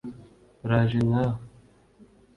uraje nka we,